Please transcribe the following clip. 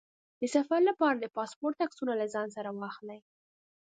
د سفر لپاره د پاسپورټ عکسونه له ځان سره واخلئ.